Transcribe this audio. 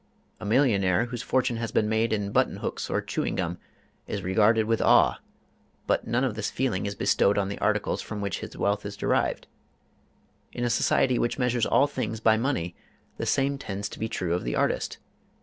A millionaire whose fortune has been made in button hooks or chewing gum is regarded with awe, but none of this feeling is bestowed on the articles from which his wealth is derived. In a society which measures all things by money the same tends to be true of the artist.